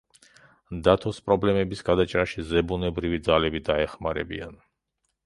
დათოს პრობლემების გადაჭრაში ზებუნებრივი ძალები დაეხმარებიან.